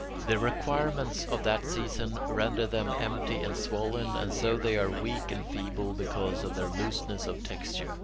The requirements of that season render them empty and swollen, and so they are weak and feeble because of their looseness of texture.